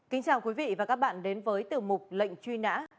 kính chào quý vị và các bạn đến với tiểu mục lệnh truy nã